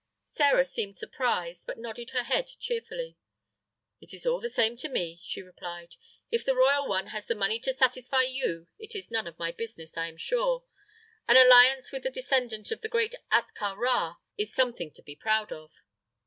Sĕra seemed surprised, but nodded her head cheerfully. "It is all the same to me," she replied. "If the royal one has the money to satisfy you, it is none of my business, I am sure. An alliance with the descendant of the great Ahtka Rā is something to be proud of."